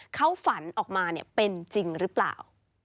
เขาฝันออกมาเป็นจริงหรือเปล่า